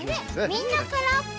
みんなからっぽ？